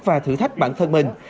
và thử thách bản thân mình